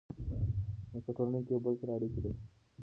موږ په ټولنه کې یو بل سره اړیکې لرو.